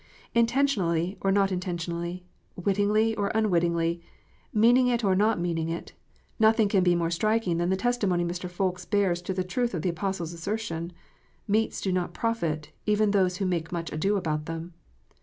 Intentionally or not intentionally, wittingly or un wittingly, meaning it or not meaning it, nothing can be more striking than the testimony Mr. Ffoulkes bears to the truth of the Apostle s assertion : "Meats do not profit " even those who make much ado about them.